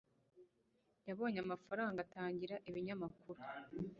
yabonye amafaranga atanga ibinyamakuru